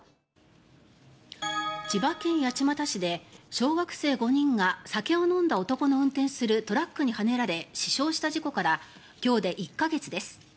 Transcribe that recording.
千葉県八街市で小学生５人が酒を飲んだ男の運転するトラックにはねられ死傷した事故から今日で１か月です。